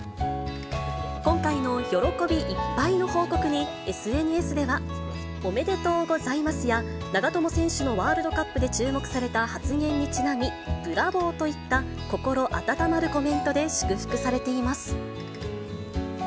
今回の喜びいっぱいの報告にＳＮＳでは、おめでとうございますや、長友選手のワールドカップで注目された発言にちなみ、ブラボー！といった心温まるコメントで祝福されています。